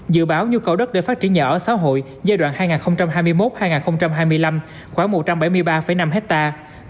dự báo nhu cầu đất để phát triển nhà ở xã hội giai đoạn hai nghìn hai mươi một hai nghìn hai mươi năm khoảng một trăm bảy mươi ba năm hectare